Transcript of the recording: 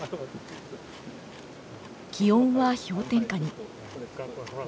気温は氷点下に。